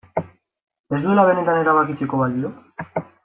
Ez duela benetan erabakitzeko balio?